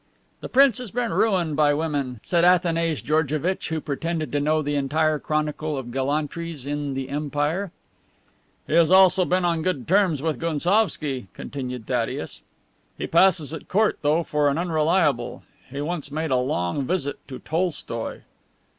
"The prince has been ruined by women," said Athanase Georgevitch, who pretended to know the entire chronicle of gallantries in the empire. "He also has been on good terms with Gounsovski," continued Thaddeus. "He passes at court, though, for an unreliable. He once made a long visit to Tolstoi."